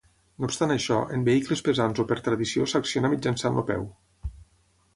No obstant això, en vehicles pesants o per tradició s'acciona mitjançant el peu.